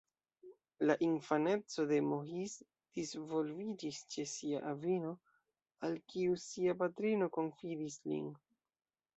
La infaneco de Maurice disvolviĝis ĉe sia avino, al kiu sia patrino konfidis lin.